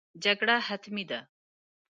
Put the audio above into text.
جګړه حتمي ده.